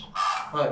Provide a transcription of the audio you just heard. はい。